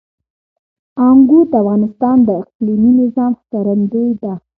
انګور د افغانستان د اقلیمي نظام ښکارندوی ده.